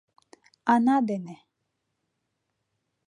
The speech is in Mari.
Ана дене.